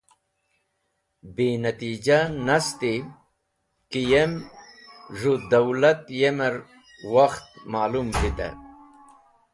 Binatija nast ki yem z̃hũ dawlat yemer wakht malũm vite.